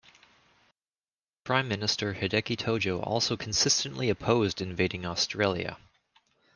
Prime Minister Hideki Tojo also consistently opposed invading Australia.